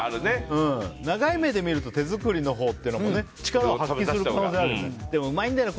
長い目で見ると、手作りのほうは力を発揮する可能性はあるよね。